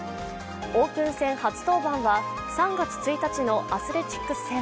オープン戦初登板は３月１日のアスレチックス戦。